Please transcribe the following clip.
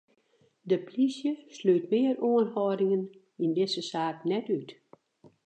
De polysje slút mear oanhâldingen yn dizze saak net út.